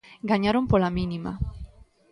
Gañaron pola mínima.